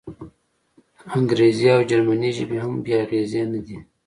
انګریزي او جرمني ژبې هم بې اغېزې نه دي.